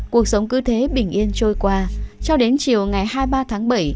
cuộc sống cứ thế bình yên trôi qua cho đến chiều ngày hai mươi ba tháng bảy